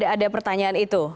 ada pertanyaan itu